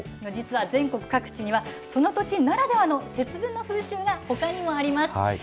実は全国各地には、その土地ならではの節分の風習がほかにもあります。